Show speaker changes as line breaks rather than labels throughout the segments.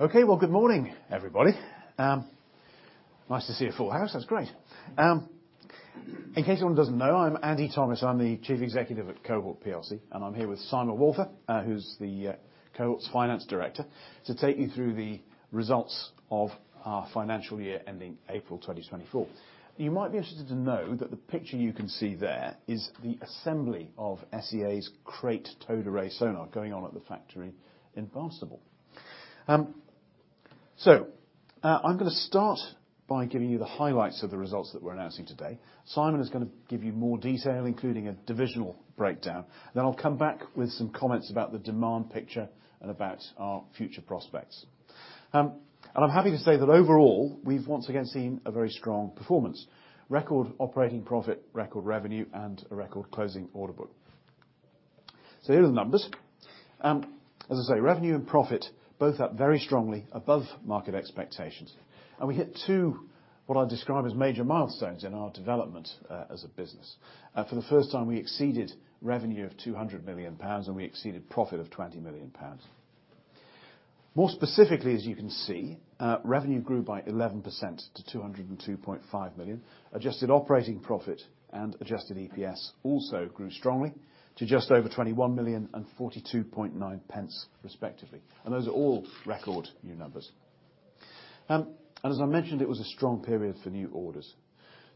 Okay, well, good morning, everybody. Nice to see a full house. That's great. In case anyone doesn't know, I'm Andy Thomis. I'm the Chief Executive at Cohort plc, and I'm here with Simon Walther, who's the Cohort plc's Finance Director, to take you through the results of our financial year ending April 2024. You might be interested to know that the picture you can see there is the assembly of SEA's Krait towed array sonar going on at the factory in Barnstaple. I'm gonna start by giving you the highlights of the results that we're announcing today. Simon is gonna give you more detail, including a divisional breakdown. Then I'll come back with some comments about the demand picture and about our future prospects. And I'm happy to say that overall, we've once again seen a very strong performance, record operating profit, record revenue, and a record closing order book. So here are the numbers. As I say, revenue and profit both up very strongly above market expectations, and we hit two, what I'll describe as major milestones in our development, as a business. For the first time, we exceeded revenue of 200 million pounds, and we exceeded profit of 20 million pounds. More specifically, as you can see, revenue grew by 11% to 202.5 million. Adjusted operating profit and adjusted EPS also grew strongly to just over 21 million and 0.429, respectively, and those are all record new numbers. And as I mentioned, it was a strong period for new orders.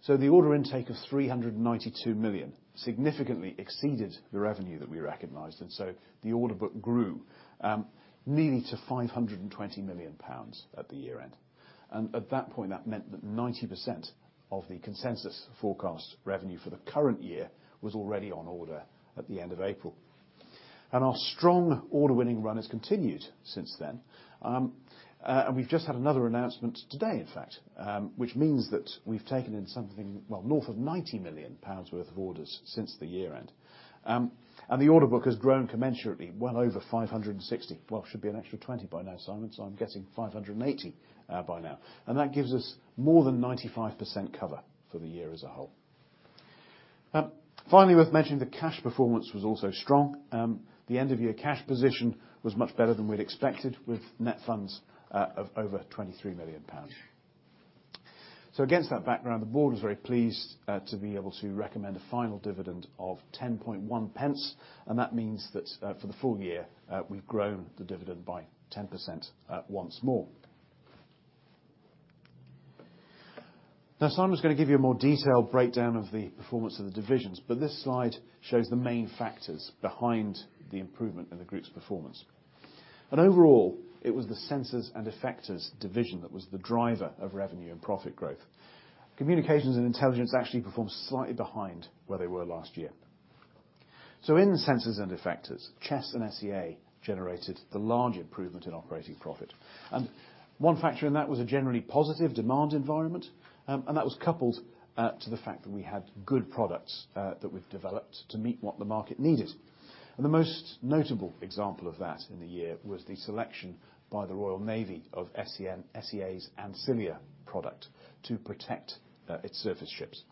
So the order intake of 392 million significantly exceeded the revenue that we recognized, and so the order book grew nearly to 520 million pounds at the year-end. At that point, that meant that 90% of the consensus forecast revenue for the current year was already on order at the end of April. Our strong order-winning run has continued since then. We've just had another announcement today, in fact, which means that we've taken in something, well, north of 90 million pounds worth of orders since the year-end. The order book has grown commensurately well over 560 million. Well, it should be an extra 20 million by now, Simon, so I'm guessing 580 million by now, and that gives us more than 95% cover for the year as a whole. Finally, worth mentioning, the cash performance was also strong. The end-of-year cash position was much better than we'd expected, with net funds of over 23 million pounds. So against that background, the board was very pleased to be able to recommend a final dividend of 0.101, and that means that for the full year, we've grown the dividend by 10%, once more. Now, Simon is gonna give you a more detailed breakdown of the performance of the divisions, but this slide shows the main factors behind the improvement in the group's performance. Overall, it was the Sensors and Effectors division that was the driver of revenue and profit growth. Communications and Intelligence actually performed slightly behind where they were last year. In the Sensors and Effectors, Chess and SEA generated the large improvement in operating profit, and one factor in that was a generally positive demand environment, and that was coupled to the fact that we had good products that we've developed to meet what the market needed. The most notable example of that in the year was the selection by the Royal Navy of SEA's Ancilia product to protect its surface ships.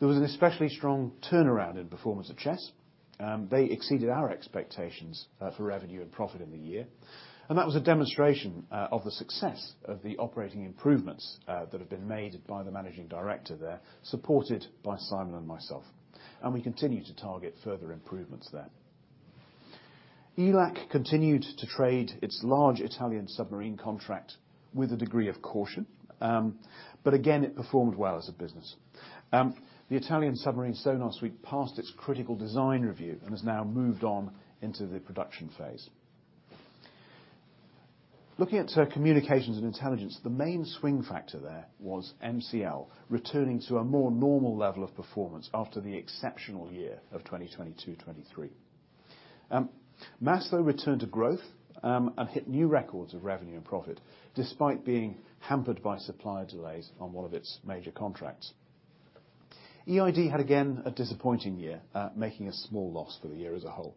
There was an especially strong turnaround in performance of Chess. They exceeded our expectations for revenue and profit in the year, and that was a demonstration of the success of the operating improvements that have been made by the managing director there, supported by Simon and myself, and we continue to target further improvements there. ELAC continued to trade its large Italian submarine contract with a degree of caution, but again, it performed well as a business. The Italian submarine sonar suite passed its critical design review and has now moved on into the production phase. Looking at Communications and Intelligence, the main swing factor there was MCL returning to a more normal level of performance after the exceptional year of 2022-23. MASS, though, returned to growth and hit new records of revenue and profit, despite being hampered by supplier delays on one of its major contracts. EID had, again, a disappointing year, making a small loss for the year as a whole.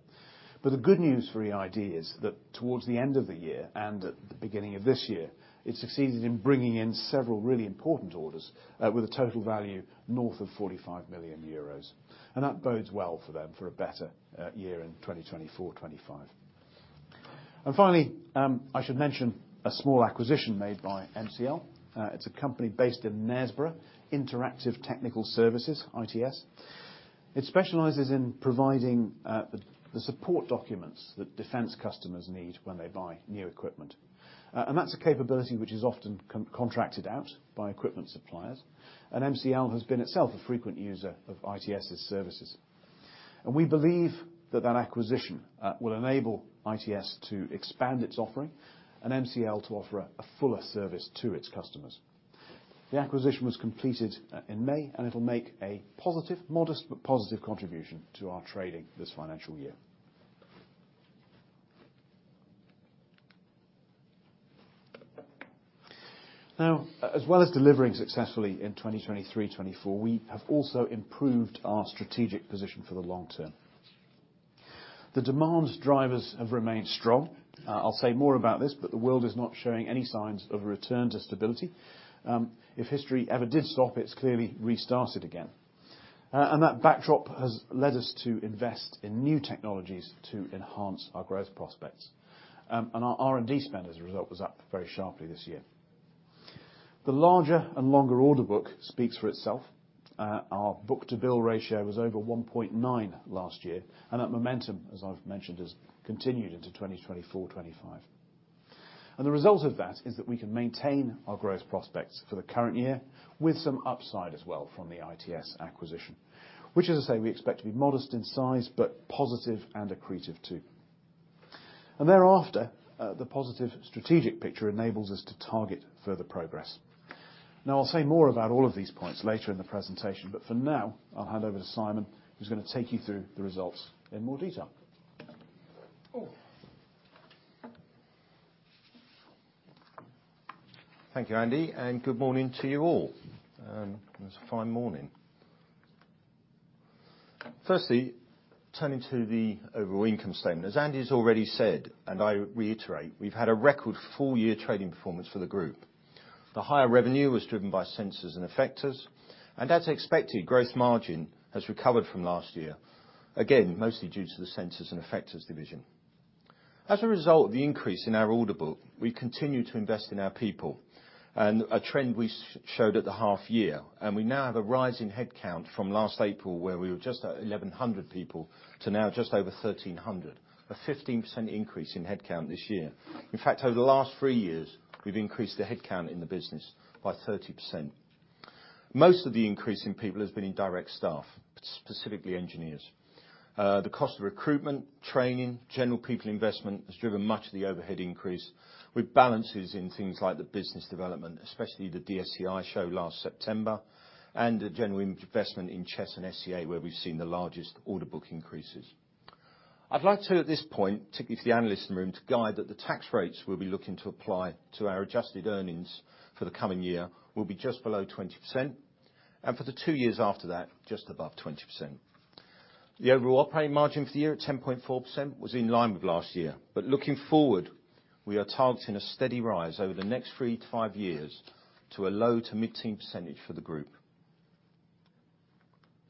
But the good news for EID is that towards the end of the year and at the beginning of this year, it succeeded in bringing in several really important orders, with a total value north of 45 million euros, and that bodes well for them for a better, year in 2024, 2025. And finally, I should mention a small acquisition made by MCL. It's a company based in Knaresborough, Interactive Technical Solutions, ITS. It specializes in providing, the support documents that defense customers need when they buy new equipment. And that's a capability which is often contracted out by equipment suppliers, and MCL has been itself a frequent user of ITS's services. We believe that that acquisition will enable ITS to expand its offering and MCL to offer a fuller service to its customers. The acquisition was completed in May, and it'll make a positive, modest, but positive contribution to our trading this financial year. Now, as well as delivering successfully in 2023, 2024, we have also improved our strategic position for the long term. The demand's drivers have remained strong. I'll say more about this, but the world is not showing any signs of a return to stability. If history ever did stop, it's clearly restarted again... and that backdrop has led us to invest in new technologies to enhance our growth prospects. And our R&D spend, as a result, was up very sharply this year. The larger and longer order book speaks for itself. Our book-to-bill ratio was over 1.9 last year, and that momentum, as I've mentioned, has continued into 2024, 2025. The result of that is that we can maintain our growth prospects for the current year with some upside as well from the ITS acquisition, which, as I say, we expect to be modest in size, but positive and accretive, too. The positive strategic picture enables us to target further progress. Now, I'll say more about all of these points later in the presentation, but for now, I'll hand over to Simon, who's gonna take you through the results in more detail.
Thank you, Andy, and good morning to you all. It's a fine morning. Firstly, turning to the overall income statement. As Andy has already said, and I reiterate, we've had a record full year trading performance for the group. The higher revenue was driven by Sensors and Effectors, and as expected, gross margin has recovered from last year, again, mostly due to the Sensors and Effectors division. As a result of the increase in our order book, we continued to invest in our people, and a trend we showed at the half year, and we now have a rise in headcount from last April, where we were just at 1,100 people, to now just over 1,300, a 15% increase in headcount this year. In fact, over the last 3 years, we've increased the headcount in the business by 30%. Most of the increase in people has been in direct staff, specifically engineers. The cost of recruitment, training, general people investment, has driven much of the overhead increase, with balances in things like the business development, especially the DSEI show last September, and a general investment in Chess and SEA, where we've seen the largest order book increases. I'd like to, at this point, particularly to the analysts in the room, to guide that the tax rates we'll be looking to apply to our adjusted earnings for the coming year will be just below 20%, and for the 2 years after that, just above 20%. The overall operating margin for the year, at 10.4%, was in line with last year, but looking forward, we are targeting a steady rise over the next 3-5 years to a low to mid teens percentage for the group.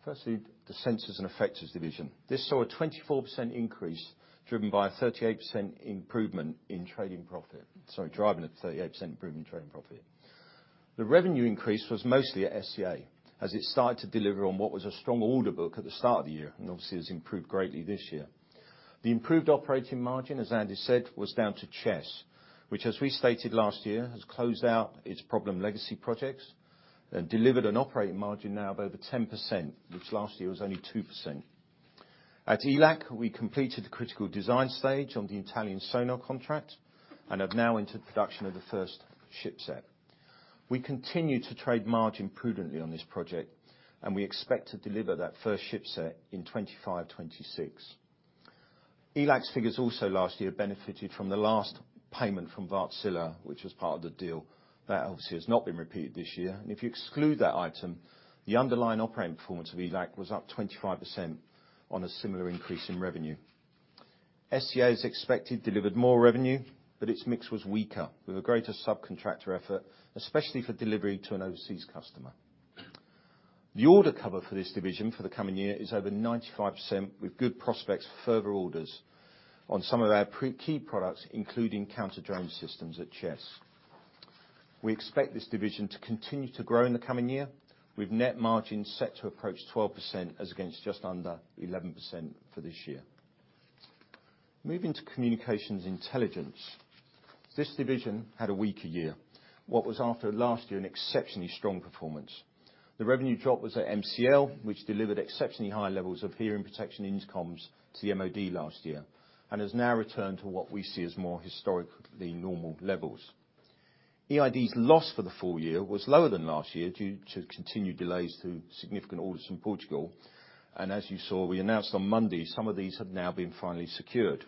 Firstly, the Sensors and Effectors division. This saw a 24% increase, driven by a 38% improvement in trading profit—sorry, driving a 38% improvement in trading profit. The revenue increase was mostly at SEA, as it started to deliver on what was a strong order book at the start of the year, and obviously, it's improved greatly this year. The improved operating margin, as Andy said, was down to Chess, which, as we stated last year, has closed out its problem legacy projects and delivered an operating margin now of over 10%, which last year was only 2%. At ELAC, we completed the critical design stage on the Italian sonar contract and have now entered production of the first ship set. We continue to trade margin prudently on this project, and we expect to deliver that first ship set in 2025, 2026. ELAC's figures also last year benefited from the last payment from Wärtsilä, which was part of the deal. That obviously has not been repeated this year, and if you exclude that item, the underlying operating performance of ELAC was up 25% on a similar increase in revenue. SEA, as expected, delivered more revenue, but its mix was weaker, with a greater subcontractor effort, especially for delivery to an overseas customer. The order cover for this division for the coming year is over 95%, with good prospects for further orders on some of our pre-key products, including counter-drone systems at Chess. We expect this division to continue to grow in the coming year, with net margins set to approach 12% as against just under 11% for this year. Moving to communications intelligence, this division had a weaker year, which was after last year an exceptionally strong performance. The revenue drop was at MCL, which delivered exceptionally high levels of hearing protection in comms to the MOD last year, and has now returned to what we see as more historically normal levels. EID's loss for the full year was higher than last year, due to continued delays to significant orders from Portugal, and as you saw, we announced on Monday, some of these have now been finally secured.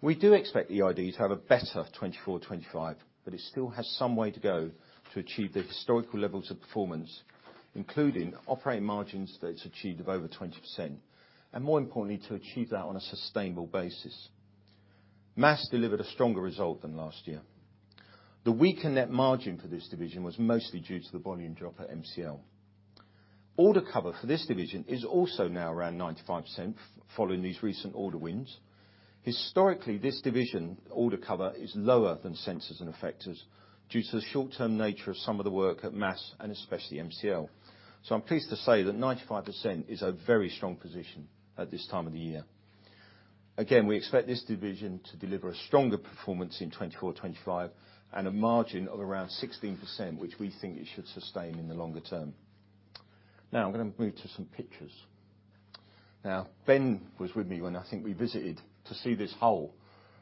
We do expect EID to have a better 2024, 2025, but it still has some way to go to achieve the historical levels of performance, including operating margins that it's achieved of over 20%, and more importantly, to achieve that on a sustainable basis. MASS delivered a stronger result than last year. The weaker net margin for this division was mostly due to the volume drop at MCL. Order cover for this division is also now around 95%, following these recent order wins. Historically, this division order cover is lower than Sensors and Effectors due to the short-term nature of some of the work at MASS and especially MCL. So I'm pleased to say that 95% is a very strong position at this time of the year. Again, we expect this division to deliver a stronger performance in 2024, 2025, and a margin of around 16%, which we think it should sustain in the longer term. Now, I'm gonna move to some pictures. Now, Ben was with me when I think we visited to see this hole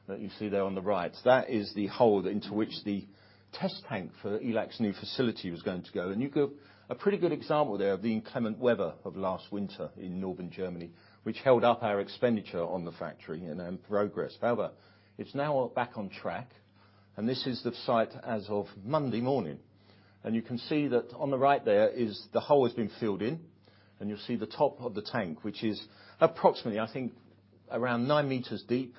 that you see there on the right. That is the hole into which the test tank for ELAC's new facility was going to go, and you've got a pretty good example there of the inclement weather of last winter in northern Germany, which held up our expenditure on the factory and, and progress. However, it's now back on track, and this is the site as of Monday morning. And you can see that on the right there is... The hole has been filled in, and you'll see the top of the tank, which is approximately, I think, around 9 m deep....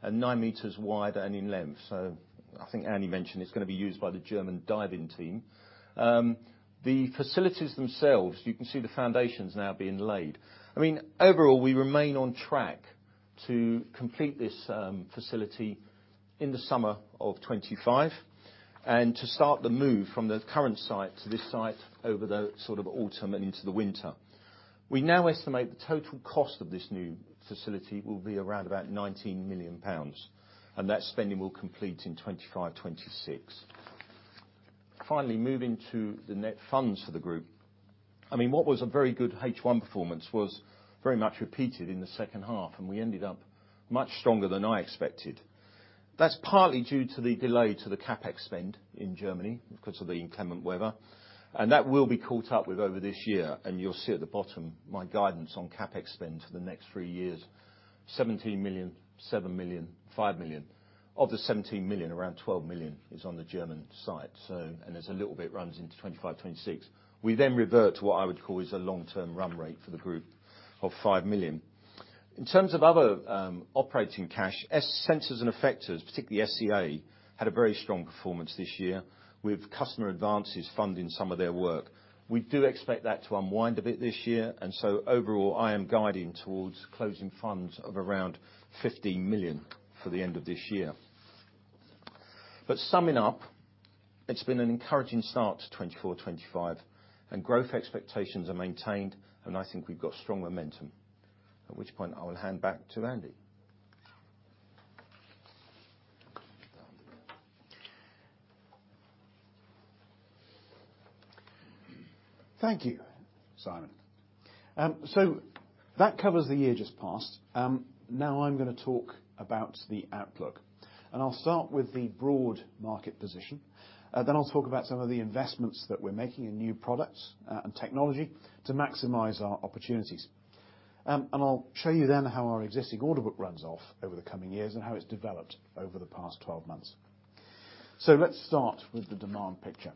and 9 m wide and in length. So I think Andy mentioned it's gonna be used by the German diving team. The facilities themselves, you can see the foundations now being laid. I mean, overall, we remain on track to complete this facility in the summer of 2025, and to start the move from the current site to this site over the sort of autumn and into the winter. We now estimate the total cost of this new facility will be around about 19 million pounds, and that spending will complete in 2025, 2026. Finally, moving to the net funds for the group. I mean, what was a very good H1 performance was very much repeated in the second half, and we ended up much stronger than I expected. That's partly due to the delay to the CapEx spend in Germany because of the inclement weather, and that will be caught up with over this year, and you'll see at the bottom my guidance on CapEx spend for the next three years: 17 million, 7 million, 5 million. Of the 17 million, around 12 million is on the German site, so, and there's a little bit runs into 2025, 2026. We then revert to what I would call is a long-term run rate for the group of 5 million. In terms of other, operating cash, Sensors and Effectors, particularly SEA, had a very strong performance this year, with customer advances funding some of their work. We do expect that to unwind a bit this year, and so overall, I am guiding towards closing funds of around 15 million for the end of this year. But summing up, it's been an encouraging start to 2024, 2025, and growth expectations are maintained, and I think we've got strong momentum, at which point I will hand back to Andy.
Thank you, Simon. So that covers the year just past. Now I'm gonna talk about the outlook, and I'll start with the broad market position. Then I'll talk about some of the investments that we're making in new products and technology to maximize our opportunities. And I'll show you then how our existing order book runs off over the coming years and how it's developed over the past 12 months. So let's start with the demand picture.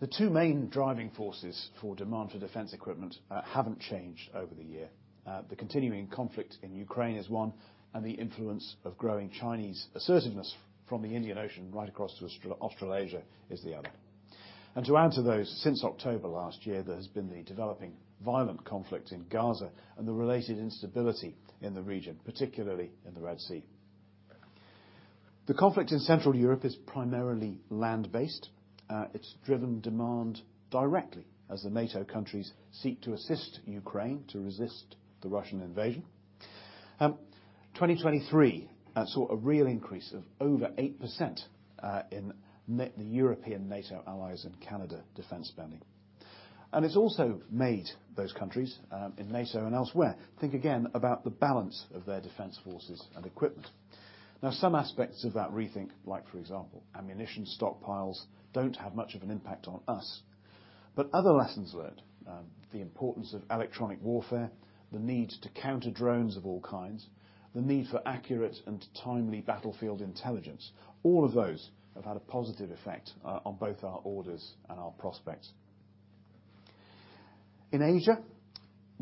The two main driving forces for demand for defense equipment haven't changed over the year. The continuing conflict in Ukraine is one, and the influence of growing Chinese assertiveness from the Indian Ocean right across to Australasia is the other. To add to those, since October last year, there has been the developing violent conflict in Gaza and the related instability in the region, particularly in the Red Sea. The conflict in Central Europe is primarily land-based. It's driven demand directly as the NATO countries seek to assist Ukraine to resist the Russian invasion. 2023 saw a real increase of over 8% in the European NATO allies and Canada defense spending. And it's also made those countries in NATO and elsewhere think again about the balance of their defense forces and equipment. Now, some aspects of that rethink, like, for example, ammunition stockpiles, don't have much of an impact on us. But other lessons learned, the importance of electronic warfare, the need to counter drones of all kinds, the need for accurate and timely battlefield intelligence, all of those have had a positive effect, on both our orders and our prospects. In Asia,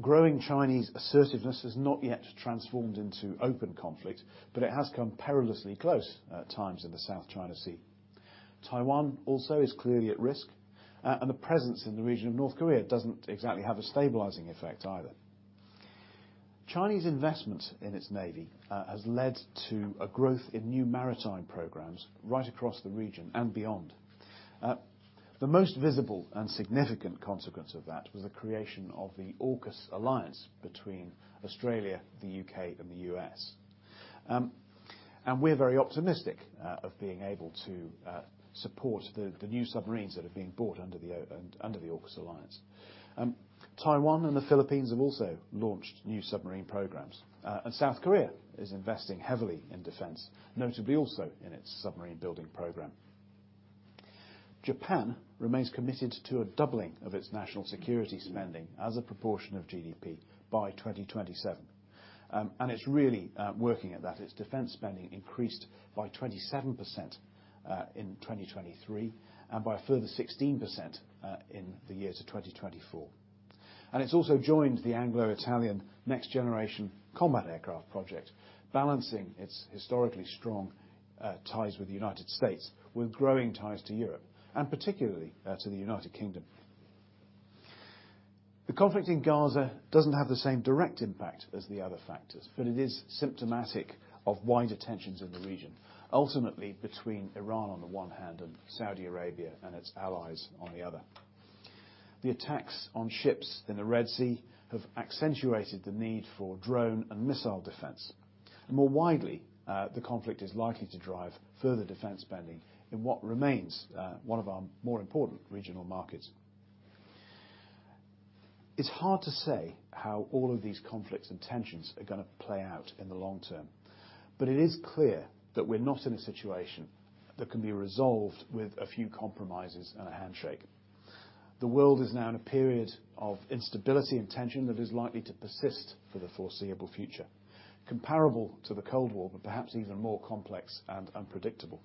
growing Chinese assertiveness has not yet transformed into open conflict, but it has come perilously close at times in the South China Sea. Taiwan also is clearly at risk, and the presence in the region of North Korea doesn't exactly have a stabilizing effect either. Chinese investment in its navy, has led to a growth in new maritime programs right across the region and beyond. The most visible and significant consequence of that was the creation of the AUKUS alliance between Australia, the U.K., and the U.S. And we're very optimistic of being able to support the new submarines that are being bought under the AUKUS alliance. Taiwan and the Philippines have also launched new submarine programs. And South Korea is investing heavily in defense, notably also in its submarine building program. Japan remains committed to a doubling of its national security spending as a proportion of GDP by 2027, and it's really working at that. Its defense spending increased by 27% in 2023 and by a further 16% in the year to 2024. And it's also joined the Anglo-Italian next-generation combat aircraft project, balancing its historically strong ties with the United States, with growing ties to Europe, and particularly to the United Kingdom. The conflict in Gaza doesn't have the same direct impact as the other factors, but it is symptomatic of wider tensions in the region, ultimately between Iran on the one hand, and Saudi Arabia and its allies on the other. The attacks on ships in the Red Sea have accentuated the need for drone and missile defense. More widely, the conflict is likely to drive further defense spending in what remains, one of our more important regional markets. It's hard to say how all of these conflicts and tensions are gonna play out in the long term, but it is clear that we're not in a situation that can be resolved with a few compromises and a handshake. The world is now in a period of instability and tension that is likely to persist for the foreseeable future, comparable to the Cold War, but perhaps even more complex and unpredictable...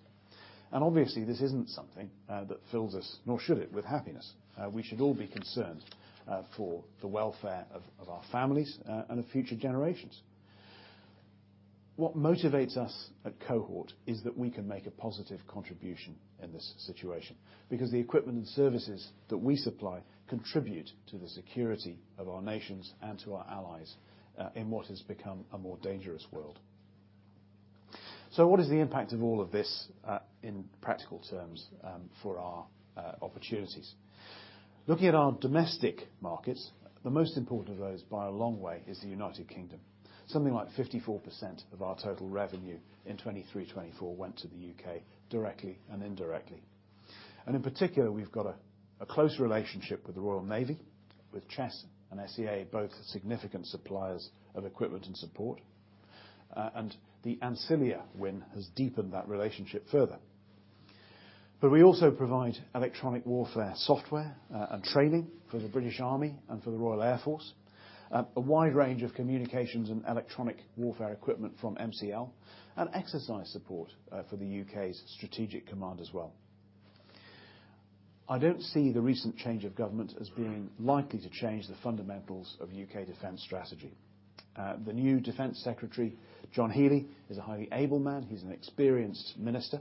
And obviously, this isn't something that fills us, nor should it, with happiness. We should all be concerned for the welfare of, of our families and of future generations. What motivates us at Cohort is that we can make a positive contribution in this situation, because the equipment and services that we supply contribute to the security of our nations and to our allies in what has become a more dangerous world. So what is the impact of all of this in practical terms for our opportunities? Looking at our domestic markets, the most important of those, by a long way, is the United Kingdom. Something like 54% of our total revenue in 2023, 2024 went to the U.K., directly and indirectly. And in particular, we've got a, a close relationship with the Royal Navy, with Chess and SEA, both significant suppliers of equipment and support. And the Ancilia win has deepened that relationship further. But we also provide electronic warfare software, and training for the British Army and for the Royal Air Force. A wide range of communications and electronic warfare equipment from MCL, and exercise support, for the U.K.'s strategic command as well. I don't see the recent change of government as being likely to change the fundamentals of U.K. defense strategy. The new defense secretary, John Healey, is a highly able man. He's an experienced minister,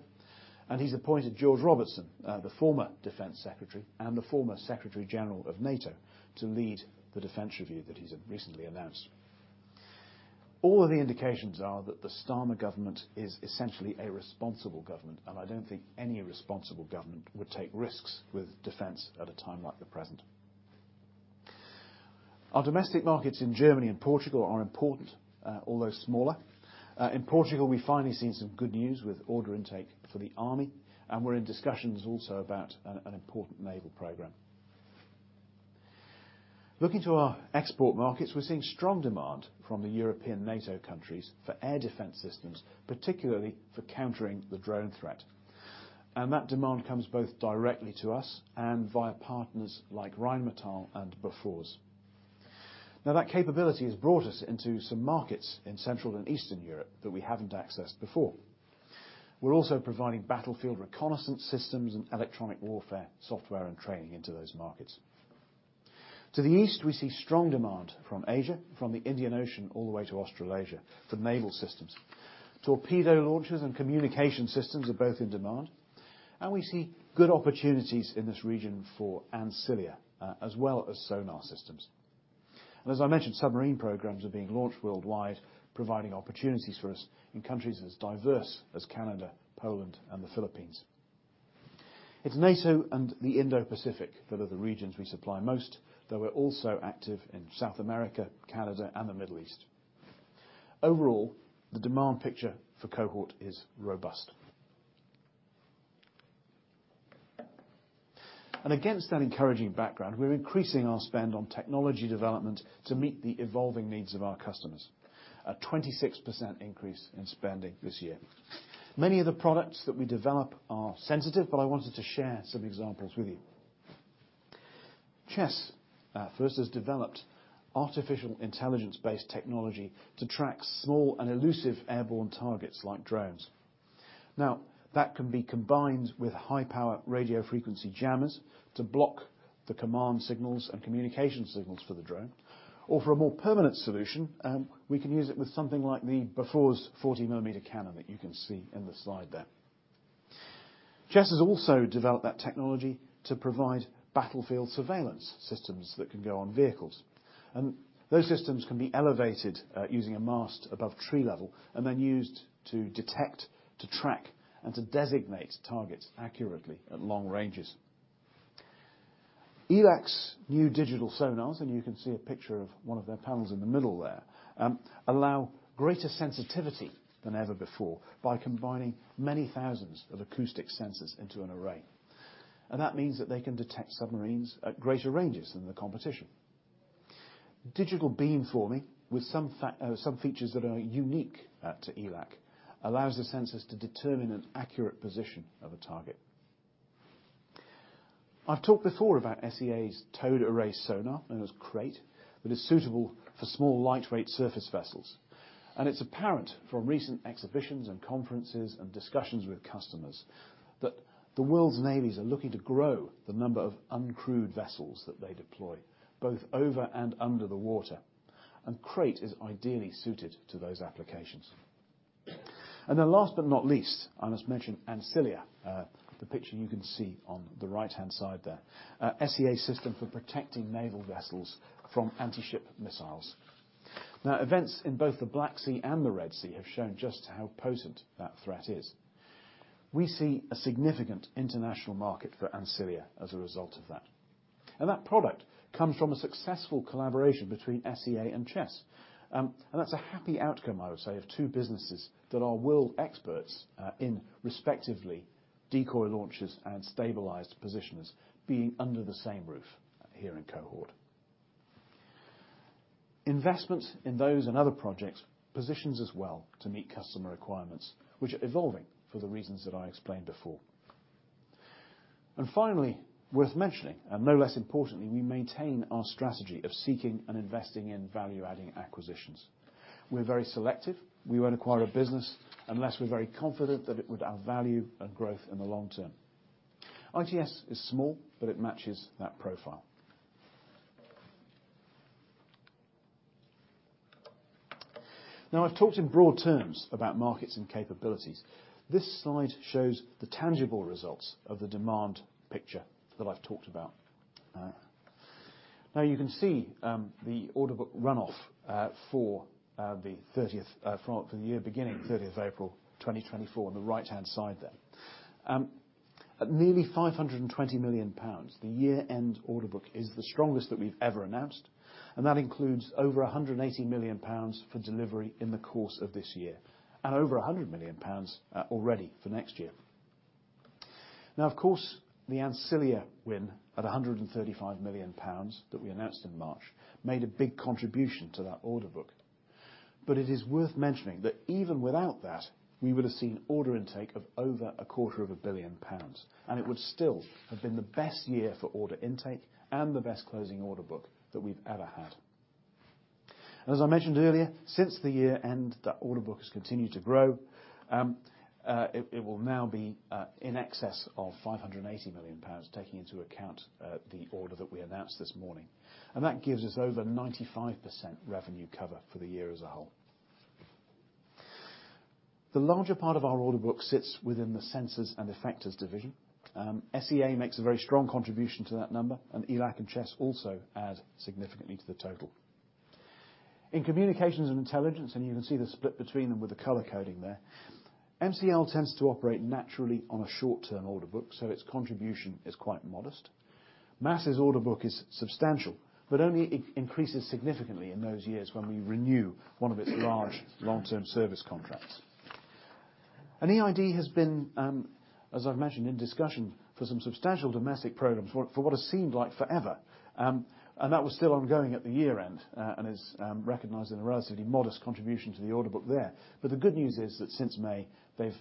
and he's appointed George Robertson, the former Defense Secretary and the former Secretary General of NATO, to lead the defense review that he's recently announced. All of the indications are that the Starmer government is essentially a responsible government, and I don't think any responsible government would take risks with defense at a time like the present. Our domestic markets in Germany and Portugal are important, although smaller. In Portugal, we've finally seen some good news with order intake for the army, and we're in discussions also about an important naval program. Looking to our export markets, we're seeing strong demand from the European NATO countries for air defense systems, particularly for countering the drone threat, and that demand comes both directly to us and via partners like Rheinmetall and Bofors. Now, that capability has brought us into some markets in Central and Eastern Europe that we haven't accessed before. We're also providing battlefield reconnaissance systems and electronic warfare, software and training into those markets. To the east, we see strong demand from Asia, from the Indian Ocean, all the way to Australasia, for naval systems. Torpedo launchers and communication systems are both in demand, and we see good opportunities in this region for Ancilia, as well as sonar systems. And as I mentioned, submarine programs are being launched worldwide, providing opportunities for us in countries as diverse as Canada, Poland, and the Philippines. It's NATO and the Indo-Pacific that are the regions we supply most, though we're also active in South America, Canada, and the Middle East. Overall, the demand picture for Cohort is robust. Against that encouraging background, we're increasing our spend on technology development to meet the evolving needs of our customers, a 26% increase in spending this year. Many of the products that we develop are sensitive, but I wanted to share some examples with you. Chess first has developed artificial intelligence-based technology to track small and elusive airborne targets like drones. Now, that can be combined with high-power radio frequency jammers to block the command signals and communication signals for the drone, or for a more permanent solution, we can use it with something like the Bofors 40 mm cannon that you can see in the slide there. Chess has also developed that technology to provide battlefield surveillance systems that can go on vehicles, and those systems can be elevated using a mast above tree level, and then used to detect, to track, and to designate targets accurately at long ranges. ELAC's new digital sonars, and you can see a picture of one of their panels in the middle there, allow greater sensitivity than ever before by combining many thousands of acoustic sensors into an array. And that means that they can detect submarines at greater ranges than the competition. Digital beamforming, with some features that are unique to ELAC, allows the sensors to determine an accurate position of a target. I've talked before about SEA's towed array sonar, known as Krait, that is suitable for small, lightweight surface vessels, and it's apparent from recent exhibitions and conferences and discussions with customers, that the world's navies are looking to grow the number of uncrewed vessels that they deploy, both over and under the water, and Krait is ideally suited to those applications. Then last but not least, I must mention Ancilia, the picture you can see on the right-hand side there. SEA system for protecting naval vessels from anti-ship missiles. Now, events in both the Black Sea and the Red Sea have shown just how potent that threat is. We see a significant international market for Ancilia as a result of that. And that product comes from a successful collaboration between SEA and Chess. and that's a happy outcome, I would say, of two businesses that are world experts, in respectively decoy launchers and stabilized positioners being under the same roof here in Cohort. Investment in those and other projects positions us well to meet customer requirements, which are evolving for the reasons that I explained before.... And finally, worth mentioning, and no less importantly, we maintain our strategy of seeking and investing in value-adding acquisitions. We're very selective. We won't acquire a business unless we're very confident that it would add value and growth in the long term. ITS is small, but it matches that profile. Now, I've talked in broad terms about markets and capabilities. This slide shows the tangible results of the demand picture that I've talked about. Now you can see the order book runoff for the year beginning April 30th, 2024, on the right-hand side there. At nearly 520 million pounds, the year-end order book is the strongest that we've ever announced, and that includes over 180 million pounds for delivery in the course of this year, and over 100 million pounds already for next year. Now, of course, the Ancilia win at 135 million pounds that we announced in March made a big contribution to that order book. But it is worth mentioning that even without that, we would have seen order intake of over 250 million pounds, and it would still have been the best year for order intake and the best closing order book that we've ever had. As I mentioned earlier, since the year end, that order book has continued to grow. It will now be in excess of 580 million pounds, taking into account the order that we announced this morning, and that gives us over 95% revenue cover for the year as a whole. The larger part of our order book sits within the Sensors and Effectors division. SEA makes a very strong contribution to that number, and ELAC and Chess also add significantly to the total. In Communications and Intelligence, and you can see the split between them with the color coding there, MCL tends to operate naturally on a short-term order book, so its contribution is quite modest. MASS's order book is substantial, but only increases significantly in those years when we renew one of its large long-term service contracts. And EID has been, as I've mentioned, in discussion for some substantial domestic programs for what has seemed like forever, and that was still ongoing at the year-end, and is recognized in a relatively modest contribution to the order book there. But the good news is that since May, they've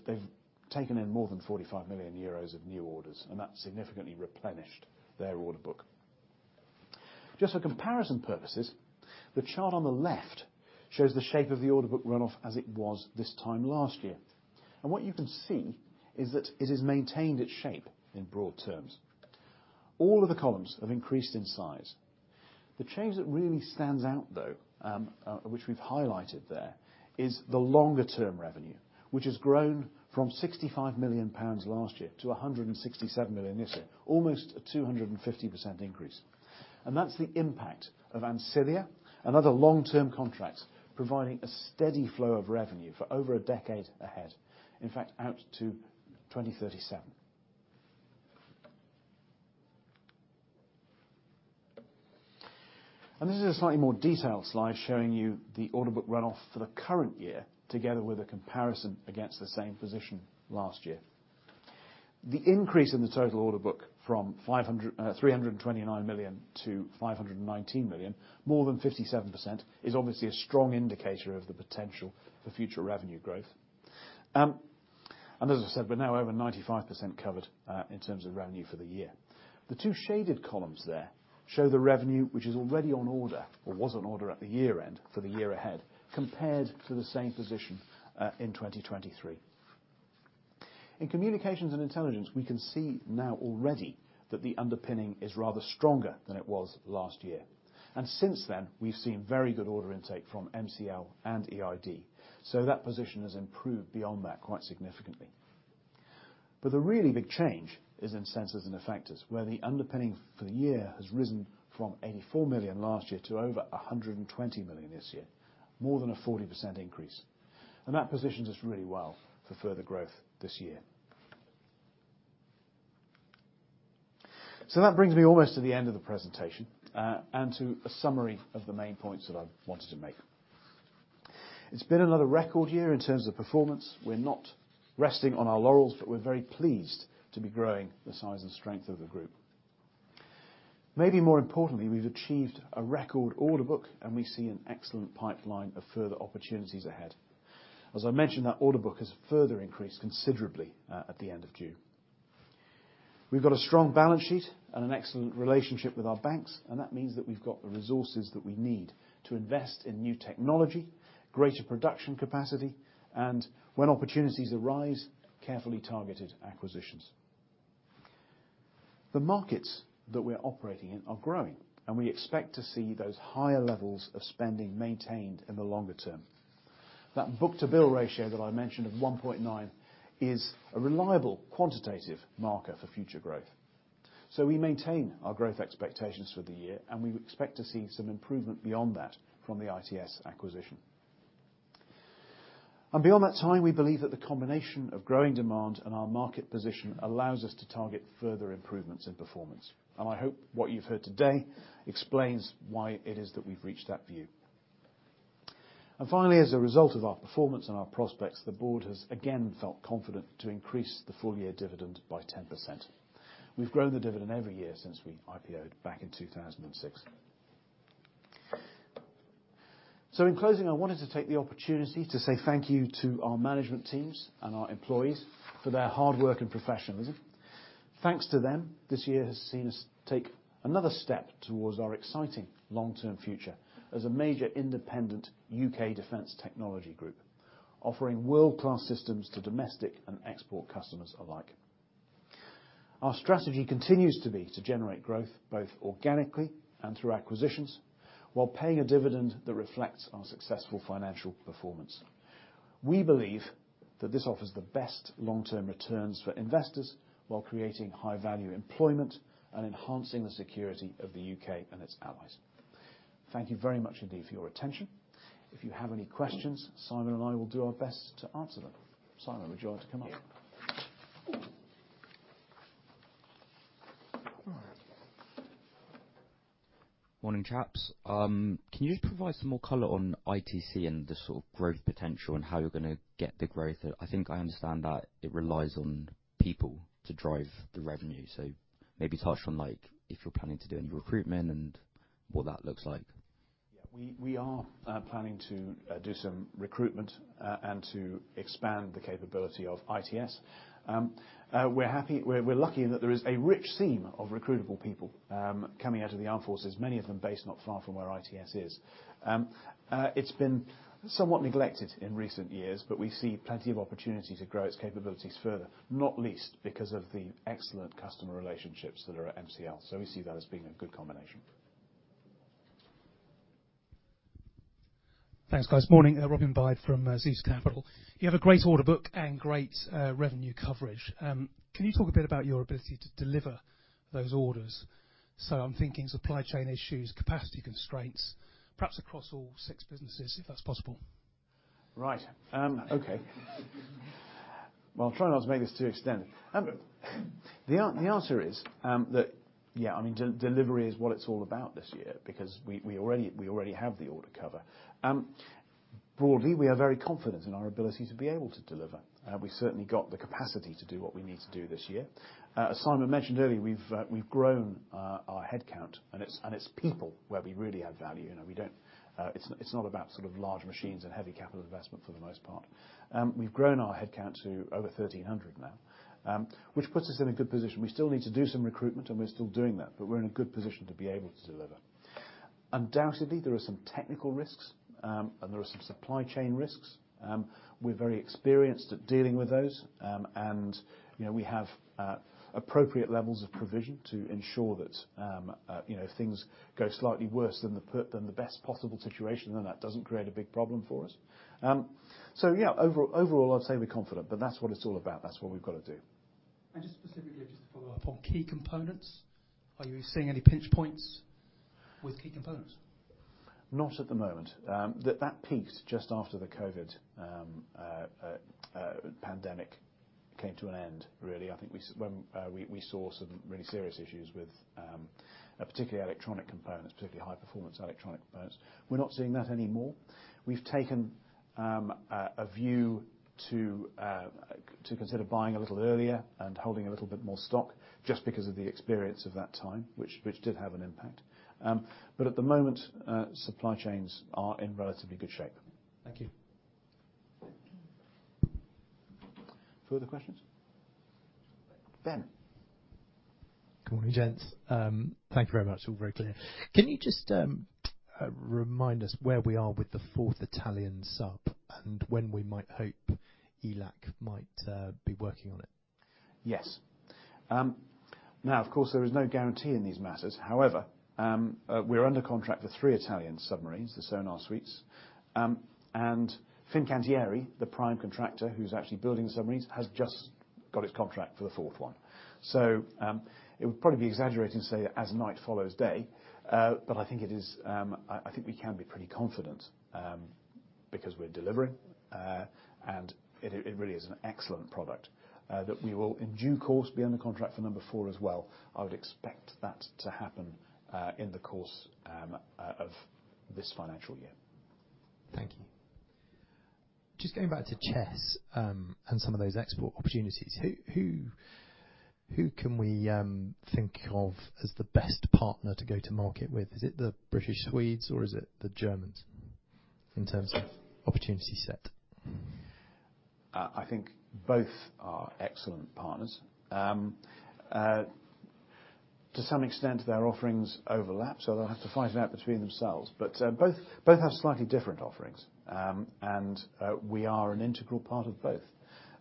taken in more than 45 million euros of new orders, and that significantly replenished their order book. Just for comparison purposes, the chart on the left shows the shape of the order book runoff as it was this time last year. And what you can see is that it has maintained its shape in broad terms. All of the columns have increased in size. The change that really stands out, though, which we've highlighted there, is the longer-term revenue, which has grown from 65 million pounds last year to 167 million this year, almost a 250% increase. That's the impact of Ancilia and other long-term contracts, providing a steady flow of revenue for over a decade ahead, in fact, out to 2037. This is a slightly more detailed slide showing you the order book runoff for the current year, together with a comparison against the same position last year. The increase in the total order book from 329 million-519 million, more than 57%, is obviously a strong indicator of the potential for future revenue growth. And as I said, we're now over 95% covered in terms of revenue for the year. The two shaded columns there show the revenue, which is already on order or was on order at the year-end for the year ahead, compared to the same position in 2023. In Communications and Intelligence, we can see now already that the underpinning is rather stronger than it was last year, and since then, we've seen very good order intake from MCL and EID, so that position has improved beyond that quite significantly. But the really big change is in Sensors and Effectors, where the underpinning for the year has risen from 84 million last year to over 120 million this year, more than a 40% increase, and that positions us really well for further growth this year. So that brings me almost to the end of the presentation, and to a summary of the main points that I've wanted to make. It's been another record year in terms of performance. We're not resting on our laurels, but we're very pleased to be growing the size and strength of the group. Maybe more importantly, we've achieved a record order book, and we see an excellent pipeline of further opportunities ahead. As I mentioned, that order book has further increased considerably at the end of June. We've got a strong balance sheet and an excellent relationship with our banks, and that means that we've got the resources that we need to invest in new technology, greater production capacity, and when opportunities arise, carefully targeted acquisitions. The markets that we're operating in are growing, and we expect to see those higher levels of spending maintained in the longer term. That book-to-bill ratio that I mentioned of 1.9 is a reliable quantitative marker for future growth, so we maintain our growth expectations for the year, and we expect to see some improvement beyond that from the ITS acquisition. Beyond that time, we believe that the combination of growing demand and our market position allows us to target further improvements in performance, and I hope what you've heard today explains why it is that we've reached that view. Finally, as a result of our performance and our prospects, the board has again felt confident to increase the full-year dividend by 10%. We've grown the dividend every year since we IPO'd back in 2006. In closing, I wanted to take the opportunity to say thank you to our management teams and our employees for their hard work and professionalism. Thanks to them, this year has seen us take another step towards our exciting long-term future as a major independent UK defense technology group, offering world-class systems to domestic and export customers alike. Our strategy continues to be to generate growth, both organically and through acquisitions, while paying a dividend that reflects our successful financial performance. We believe that this offers the best long-term returns for investors, while creating high-value employment and enhancing the security of the UK and its allies. Thank you very much indeed for your attention. If you have any questions, Simon and I will do our best to answer them. Simon, would you like to come up?
Morning, chaps. Can you just provide some more color on ITS and the sort of growth potential and how you're gonna get the growth? I think I understand that it relies on people to drive the revenue, so maybe touch on, like, if you're planning to do any recruitment and what that looks like?
Yeah. We are planning to do some recruitment and to expand the capability of ITS. We're lucky in that there is a rich seam of recruitable people coming out of the armed forces, many of them based not far from where ITS is. It's been somewhat neglected in recent years, but we see plenty of opportunity to grow its capabilities further, not least because of the excellent customer relationships that are at MCL. So we see that as being a good combination.
Thanks, guys. Morning, Robin Byde from Zeus Capital. You have a great order book and great revenue coverage. Can you talk a bit about your ability to deliver those orders? So I'm thinking supply chain issues, capacity constraints, perhaps across all six businesses, if that's possible.
Right. Okay. Well, I'll try not to make this too extended. The answer is, that, yeah, I mean, delivery is what it's all about this year, because we already have the order cover. Broadly, we are very confident in our ability to be able to deliver. We've certainly got the capacity to do what we need to do this year. As Simon mentioned earlier, we've grown our headcount, and it's people where we really add value, you know, we don't. It's not about sort of large machines and heavy capital investment for the most part. We've grown our headcount to over 1,300 now, which puts us in a good position. We still need to do some recruitment, and we're still doing that, but we're in a good position to be able to deliver. Undoubtedly, there are some technical risks, and there are some supply chain risks. We're very experienced at dealing with those, and, you know, we have appropriate levels of provision to ensure that, you know, if things go slightly worse than the best possible situation, then that doesn't create a big problem for us. So yeah, overall, overall, I'd say we're confident, but that's what it's all about. That's what we've got to do.
Just specifically, just to follow up, on key components, are you seeing any pinch points with key components?
Not at the moment. That peak, just after the COVID pandemic came to an end, really. I think when we saw some really serious issues with particularly electronic components, particularly high-performance electronic components. We're not seeing that anymore. We've taken a view to consider buying a little earlier and holding a little bit more stock just because of the experience of that time, which did have an impact. But at the moment, supply chains are in relatively good shape.
Thank you.
Further questions? Ben.
Good morning, gents. Thank you very much. All very clear. Can you just remind us where we are with the fourth Italian sub and when we might hope ELAC might be working on it?
Yes. Now, of course, there is no guarantee in these matters. However, we're under contract for three Italian submarines, the sonar suites. And Fincantieri, the prime contractor, who's actually building the submarines, has just got its contract for the fourth one. So, it would probably be exaggerating to say as night follows day, but I think it is, I, I think we can be pretty confident, because we're delivering, and it, it really is an excellent product, that we will, in due course, be under contract for number four as well. I would expect that to happen, in the course of this financial year.
Thank you. Just going back to Chess, and some of those export opportunities, who can we think of as the best partner to go to market with? Is it the British, Swedes, or is it the Germans, in terms of opportunity set?
I think both are excellent partners. To some extent, their offerings overlap, so they'll have to fight it out between themselves, but both have slightly different offerings. We are an integral part of both.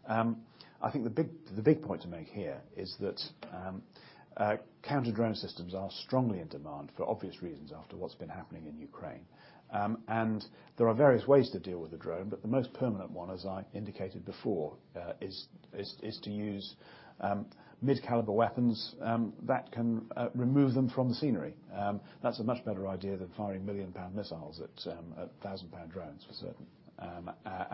I think the big point to make here is that counter-drone systems are strongly in demand for obvious reasons after what's been happening in Ukraine. There are various ways to deal with a drone, but the most permanent one, as I indicated before, is to use mid-caliber weapons that can remove them from the scenery. That's a much better idea than firing 1 million missiles at 1,000 drones, for certain.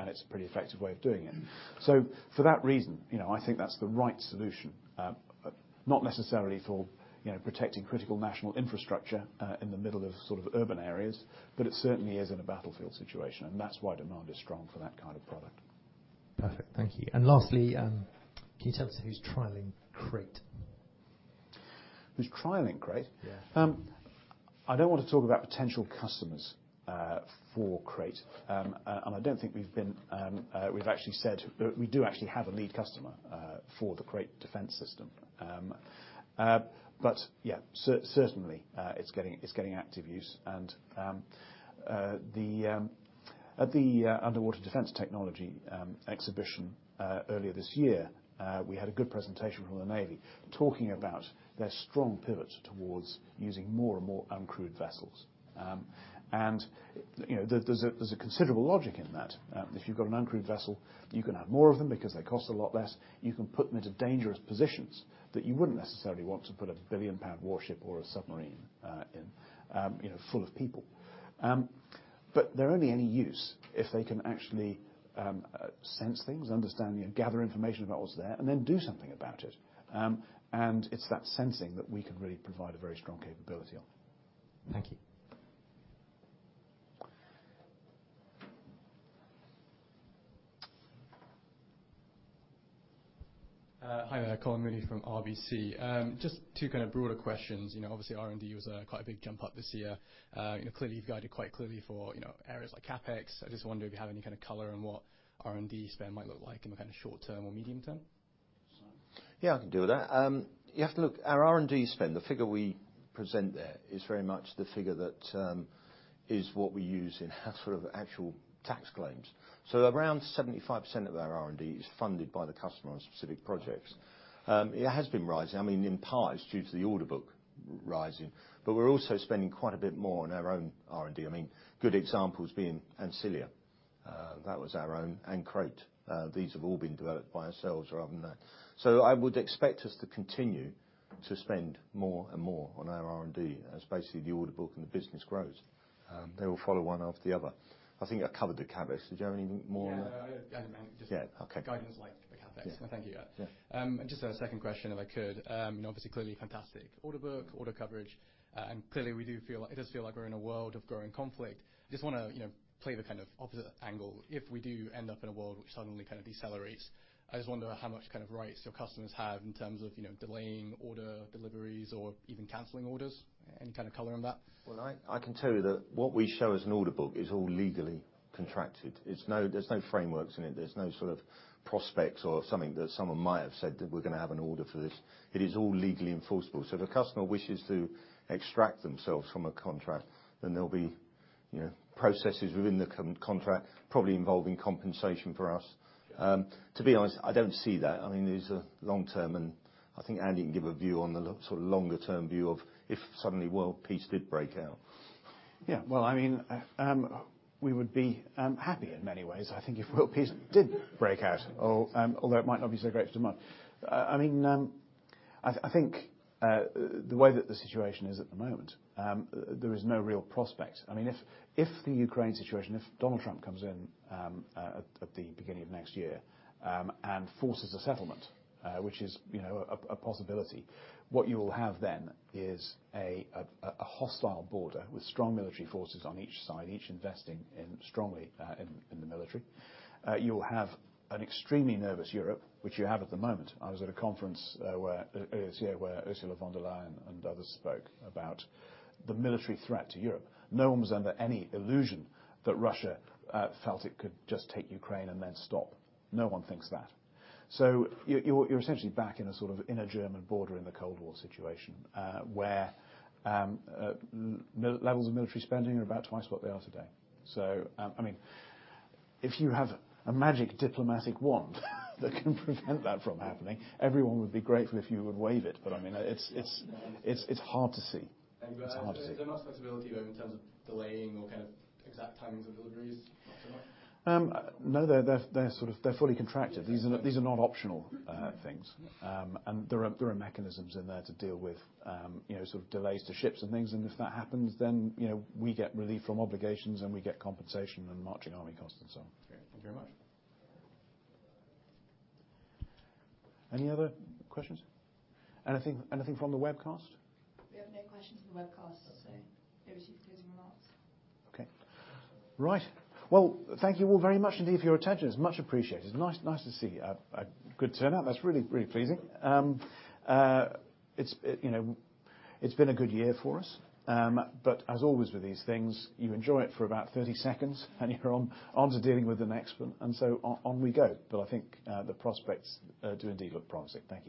It's a pretty effective way of doing it. So for that reason, you know, I think that's the right solution, not necessarily for, you know, protecting critical national infrastructure, in the middle of sort of urban areas, but it certainly is in a battlefield situation, and that's why demand is strong for that kind of product.
Perfect. Thank you. And lastly, can you tell us who's trialing Krait?
Who's trialing, Krait?
Yeah.
I don't want to talk about potential customers for Krait. And I don't think we've been, we've actually said, but we do actually have a lead customer for the Krait Defense System. But yeah, certainly, it's getting active use and, the, at the Underwater Defense Technology exhibition earlier this year, we had a good presentation from the Navy talking about their strong pivot towards using more and more uncrewed vessels. And, you know, there, there's a considerable logic in that. If you've got an uncrewed vessel, you can have more of them because they cost a lot less. You can put them into dangerous positions that you wouldn't necessarily want to put a 1 billion pound warship or a submarine in, you know, full of people. But they're only any use if they can actually sense things, understand, you know, gather information about what's there, and then do something about it. And it's that sensing that we can really provide a very strong capability on.
Thank you.
Hi there, Colin Moody from RBC. Just two kind of broader questions. You know, obviously, R&D was quite a big jump up this year. You know, clearly, you've guided quite clearly for, you know, areas like CapEx. I just wonder if you have any kind of color on what R&D spend might look like in the kind of short term or medium term?
Yeah, I can deal with that. You have to look, our R&D spend, the figure we present there, is very much the figure that is what we use in sort of actual tax claims. So around 75% of our R&D is funded by the customer on specific projects. It has been rising, I mean, in part, it's due to the order book rising, but we're also spending quite a bit more on our own R&D. I mean, good examples being Ancilia, that was our own, and Krait. These have all been developed by ourselves rather than the... So I would expect us to continue to spend more and more on our R&D as basically, the order book and the business grows. They will follow one after the other. I think I covered the CapEx. Did you have anything more on that?
Yeah, I meant just-
Yeah, okay.
Guidance like the CapEx.
Yeah.
Thank you, yeah.
Yeah.
Just a second question, if I could. Obviously, clearly fantastic order book, order coverage, and clearly, we do feel like it does feel like we're in a world of growing conflict. Just wanna, you know, play the kind of opposite angle. If we do end up in a world which suddenly kind of decelerates, I just wonder how much kind of rights your customers have in terms of, you know, delaying order deliveries or even canceling orders. Any kind of color on that?
Well, I can tell you that what we show as an order book is all legally contracted. It's no, there's no frameworks in it. There's no sort of prospects or something that someone might have said, that we're gonna have an order for this. It is all legally enforceable. So if a customer wishes to extract themselves from a contract, then there'll be, you know, processes within the contract, probably involving compensation for us. To be honest, I don't see that. I mean, there's a long-term, and I think Andy can give a view on the sort of longer-term view of if suddenly world peace did break out.
Yeah. Well, I mean, we would be happy in many ways, I think, if world peace did break out, or, although it might not be so great for demand. I mean, I think the way that the situation is at the moment, there is no real prospect. I mean, if the Ukraine situation, if Donald Trump comes in, at the beginning of next year, and forces a settlement, which is, you know, a possibility, what you will have then is a hostile border with strong military forces on each side, each investing strongly in the military. You will have an extremely nervous Europe, which you have at the moment. I was at a conference, where earlier this year, where Ursula von der Leyen and others spoke about the military threat to Europe. No one was under any illusion that Russia felt it could just take Ukraine and then stop. No one thinks that. So you're essentially back in a sort of inner German border in the Cold War situation, where levels of military spending are about twice what they are today. So, I mean, if you have a magic diplomatic wand that can prevent that from happening, everyone would be grateful if you would wave it. But I mean, it's hard to see.
Yeah.
It's hard to see.
There's no flexibility, though, in terms of delaying or kind of exact timings of deliveries, whatsoever?
No, they're sort of fully contracted. These are not optional things. There are mechanisms in there to deal with, you know, sort of delays to ships and things, and if that happens, then, you know, we get relief from obligations, and we get compensation and marching army costs and so on.
Great. Thank you very much.
Any other questions? Anything, anything from the webcast?
We have no questions from the webcast. Andy's closing remarks.
Okay. Right. Well, thank you all very much indeed for your attention. It's much appreciated. Nice, nice to see you. A good turnout, that's really, really pleasing. You know, it's been a good year for us. But as always, with these things, you enjoy it for about 30 seconds, and you're on to dealing with the next one, and so on we go. But I think the prospects do indeed look promising. Thank you.